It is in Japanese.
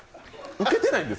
ウケてないです